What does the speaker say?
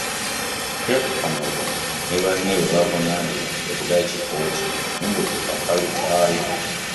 Sheik Kamoga ne banne bwe bavunaanibwa kyaddaaki kkooti ebayimbudde ku kakalu kaayo